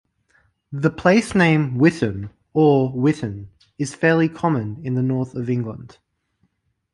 The place name "Witton" or "Whitton" is fairly common in the north of England.